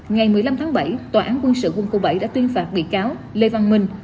ngày một mươi năm tháng bảy tòa án quân sự quân khu bảy đã tuyên phạt bị cáo lê văn minh